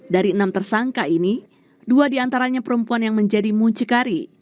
dari enam tersangka ini dua diantaranya perempuan yang menjadi muncikari